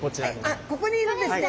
あっここにいるんですね。